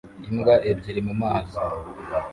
Imbwa ebyiri mumazi